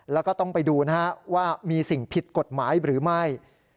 แล้วก็ต้องไปดูนะฮะว่ามีสิ่งผิดกฎหมายหรือไม่